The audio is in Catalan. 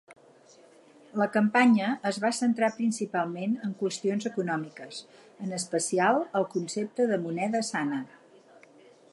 La campanya es va centrar principalment en qüestions econòmiques, en especial el concepte de moneda sana.